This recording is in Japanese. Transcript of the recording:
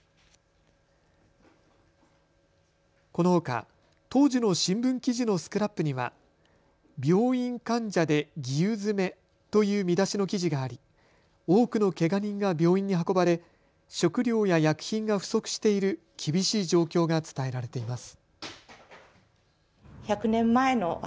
このほか当時の新聞記事のスクラップには病院患者でギウ詰めという見出しの記事があり多くのけが人が病院に運ばれ食料や医薬品が不足している厳しい状況が伝えられています。